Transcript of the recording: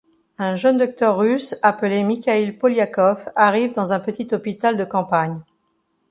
Un jeune docteur russe appelé Mikhail Polyakov arrive dans un petit hôpital de campagne.